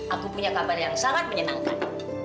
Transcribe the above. aku punya kabar yang sangat menyenangkan